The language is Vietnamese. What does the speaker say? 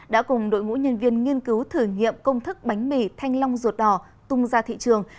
đã cùng đội ngũ nhân viên nghiên cứu thử nghiệm công thức bánh mì thanh long ruột đỏ tung ra thị trường